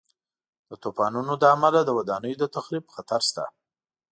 د طوفانونو له امله د ودانیو د تخریب خطر شته.